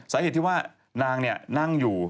สาเหตุที่ว่านางนั่งอยู่